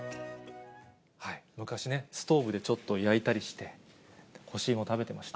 昔ね、ストーブでちょっと焼いたりして、干し芋食べてました。